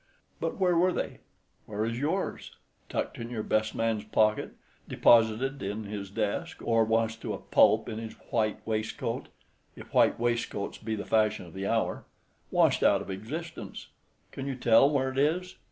But where were they? Where is yours? Tucked in your best man's pocket; deposited in his desk—or washed to a pulp in his white waistcoat (if white waistcoats be the fashion of the hour), washed out of existence—can you tell where it is?